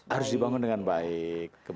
harus dibangun dengan baik